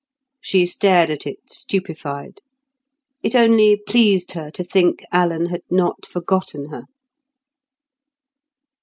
She stared at it, stupefied. It only pleased her to think Alan had not forgotten her.